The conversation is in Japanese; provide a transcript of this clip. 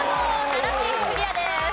奈良県クリアです。